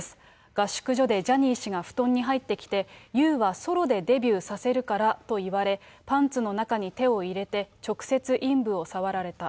合宿所でジャニー氏が布団に入ってきて、ＹＯＵはソロでデビューさせるからと言われ、パンツの中に手を入れて、直接陰部を触られた。